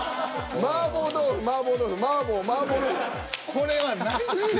これはないって。